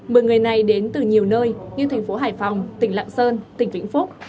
mười người này đến từ nhiều nơi như thành phố hải phòng tỉnh lạng sơn tỉnh vĩnh phúc